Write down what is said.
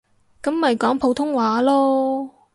噉咪講普通話囉